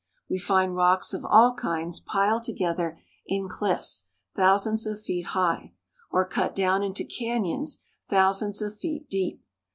We find rocks of all kinds piled together in cliffs thousands of feet high, or cut down into canyons thousands of feet deep.